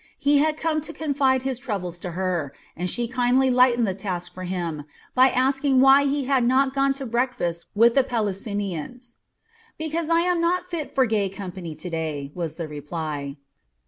He had come to confide his troubles to her, and she kindly lightened the task for him by asking why he had not gone to breakfast with the Pelusinians. "Because I am not fit for gay company today," was the reply.